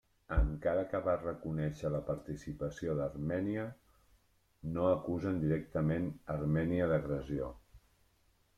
Encara que va reconèixer la participació d'Armènia, no acusen directament Armènia d'agressió.